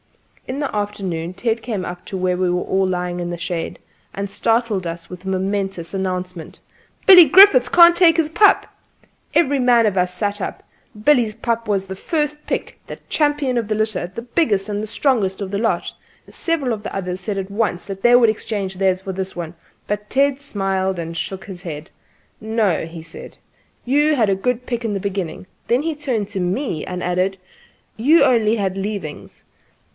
In the afternoon Ted came up to where we were all lying in the shade and startled us with the momen¬tous announcement: "Billy Griffiths can't take his pup!" Every man of us sat up. Billy's pup was the first pick, the champion of the litter, the biggest and strongest of the lot. Several of the others said at once that they would exchange theirs for this one; but Ted smiled and shook his head. "No," he said, " you had a good pick in the beginning." Then he turned to me, and added: "You've only had leavings."